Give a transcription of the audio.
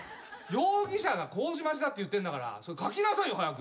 容疑者が麹町だって言ってんだから書きなさいよ早く。